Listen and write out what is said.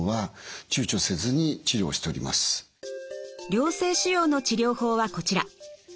良性腫瘍の治療法はこちら。